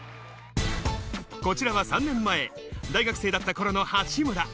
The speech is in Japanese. こちらは３年前、大学生だった頃の八村。